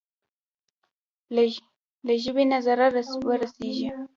له ژبې نه ضرر ورسېږي.